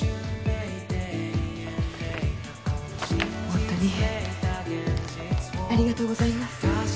ホントにありがとうございます